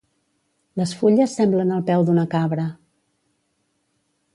Les fulles semblen el peu d'una cabra.